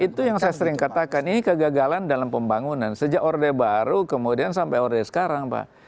itu yang saya sering katakan ini kegagalan dalam pembangunan sejak orde baru kemudian sampai orde sekarang pak